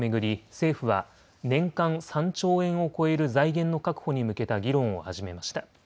政府は年間３兆円を超える財源の確保に向けた議論を始めました。